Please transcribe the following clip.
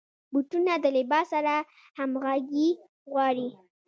بوټونه د لباس سره همغږي غواړي.